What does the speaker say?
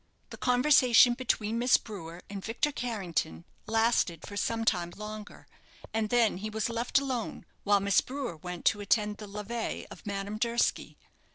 The conversation between Miss Brewer and Victor Carrington lasted for some time longer, and then he was left alone, while Miss Brewer went to attend the levée of Madame Durski.